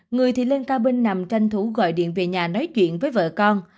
người thì lên cao bên nằm tranh thủ gọi điện về nhà nói chuyện với vợ con